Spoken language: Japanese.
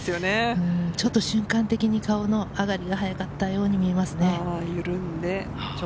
瞬間的に顔の上がりが早かったように見えます。